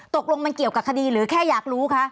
ตกลงมันเกี่ยวกับคดีหรือแค่อยากรู้คะ